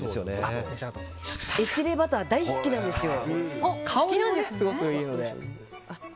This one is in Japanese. エシレバター大好きなんですよ。